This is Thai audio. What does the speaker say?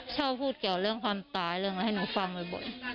ชอบพูดเกี่ยวเรื่องความตายเรื่องอะไรให้หนูฟังบ่อย